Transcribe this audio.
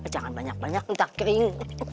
jangan banyak banyak entah kering